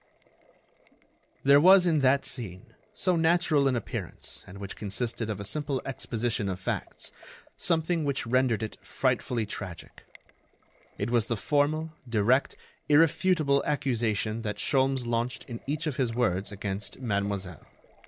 There was in that scene, so natural in appearance and which consisted of a simple exposition of facts, something which rendered it frightfully tragic—it was the formal, direct, irrefutable accusation that Sholmes launched in each of his words against Mademoiselle.